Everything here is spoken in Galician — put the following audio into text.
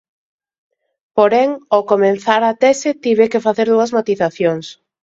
Porén, ao comezar a tese tiven que facer dúas matizacións.